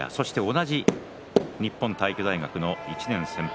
同じ日本体育大学の１年先輩